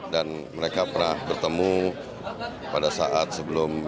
dan mereka pernah bertemu pada saat sebelumnya